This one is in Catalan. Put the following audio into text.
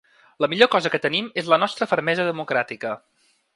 La millor cosa que tenim és la nostra fermesa democràtica.